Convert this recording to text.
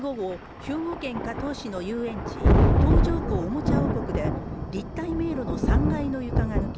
兵庫県加東市の遊園地東条湖おもちゃ王国で立体迷路の３階の床が抜け